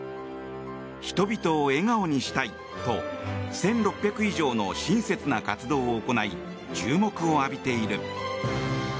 人々を笑顔にしたいと１６００以上の親切な活動を行い注目を浴びている。